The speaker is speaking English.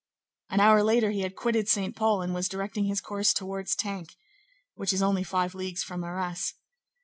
An hour later he had quitted Saint Pol and was directing his course towards Tinques, which is only five leagues from Arras.